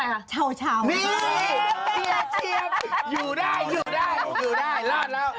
นี่เชียชิบอยู่ได้รอดแล้ว